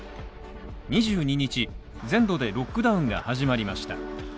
２２日、全土でロックダウンが始まりました。